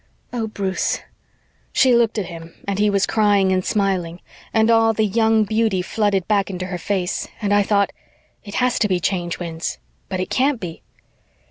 Oh, Bruce " She looked at him and he was crying and smiling and all the young beauty flooded back into her face, and I thought, "It has to be Change Winds, but it can't be.